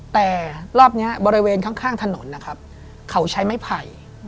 แต่รอบนี้บริเวณข้างถนนนะครับเขาใช้ไม้ไผ่